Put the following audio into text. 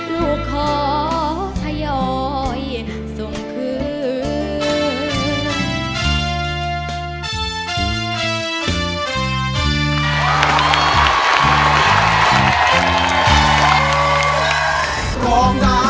ลูกขอทยอยส่งคืน